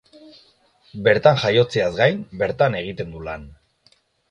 Bertan jaiotzeaz gain bertan egiten du lan.